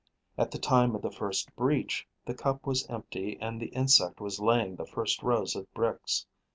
At the time of the first breach, the cup was empty and the insect was laying the first rows of bricks.